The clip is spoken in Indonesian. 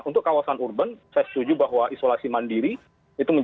untuk kawasan urban saya setuju bahwa isolasi mandiri